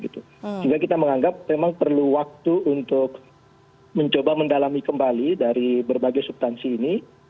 sehingga kita menganggap memang perlu waktu untuk mencoba mendalami kembali dari berbagai subtansi ini